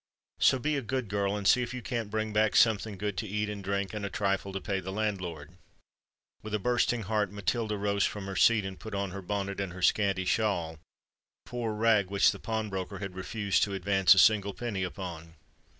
So be a good girl, and see if you can't bring back something good to eat and drink, and a trifle to pay the landlord." With a bursting heart, Matilda rose from her seat, and put on her bonnet and her scanty shawl—a poor rag which the pawnbroker had refused to advance a single penny upon.